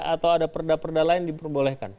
atau ada perda perda lain diperbolehkan